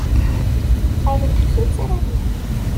Err-d ɣef tuttra-nni.